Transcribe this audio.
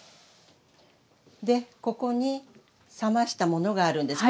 でここに冷ましたものがあるんです。